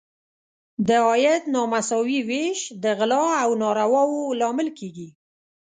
د عاید نامساوي ویش د غلا او نارواوو لامل کیږي.